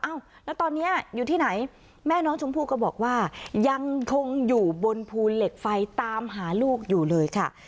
แล้วตอนนี้อยู่ที่ไหนแม่น้องชมพู่ก็บอกว่ายังคงอยู่บนภูเหล็กไฟตามหาลูกอยู่เลยค่ะ